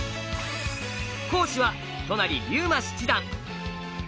講師は都成竜馬七段。